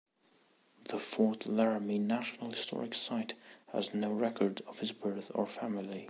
The Fort Laramie National Historic site has no record of his birth or family.